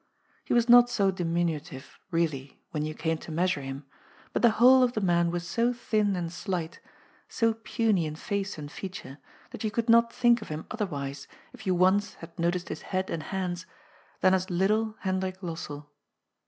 He was not so diminutive, really, when'^you came to measure him, but the whole of the man was so thin and slight, so puny in face and feature, that you could not think of him otherwise, if you once had noticed his head and hands, than as little Hendrik Lossell.